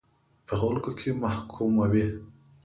په خلکو کې محکوموي.